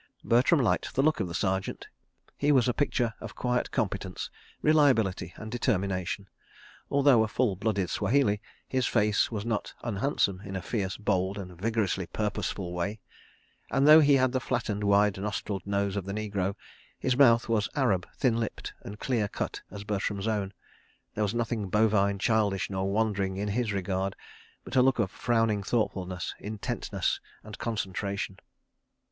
Bertram liked the look of the Sergeant. He was a picture of quiet competence, reliability and determination. Although a full blooded Swahili, his face was not unhandsome in a fierce, bold, and vigorously purposeful way, and though he had the flattened, wide nostrilled nose of the negro, his mouth was Arab, thin lipped and clear cut as Bertram's own. There was nothing bovine, childish nor wandering in his regard, but a look of frowning thoughtfulness, intentness and concentration.